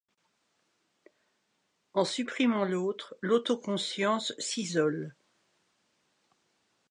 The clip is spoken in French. En supprimant l’autre, l’autoconscience s’isole.